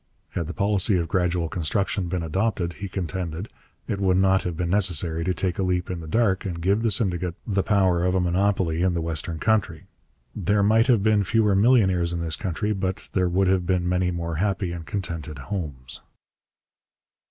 Had the policy of gradual construction been adopted, he contended, it would not have been necessary to take a leap in the dark and give the syndicate the power of a monopoly in the western country: 'there might have been fewer millionaires in this country, but there would have been many more happy and contented homes.'